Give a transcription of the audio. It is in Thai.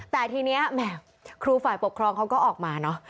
แต่ทีนี้แหม่ครูฝ่ายปกครองเขาก็ออกมาเนอะ